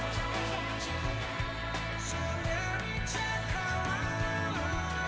tuhan di atasku